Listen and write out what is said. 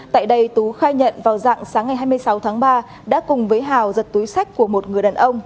tại đây tú khai nhận vào dạng sáng ngày hai mươi sáu tháng ba đã cùng với hào giật túi sách của một người đàn ông